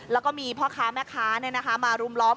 แล้วก็มีพ่อค้าแม่ค้ามารุมล้อม